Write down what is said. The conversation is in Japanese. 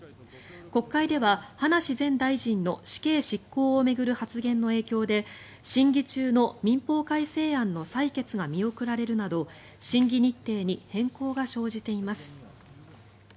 国会では葉梨前大臣の死刑執行を巡る発言の影響で審議中の民法改正案の採決が見送られるなど審議日程に変更が生じています。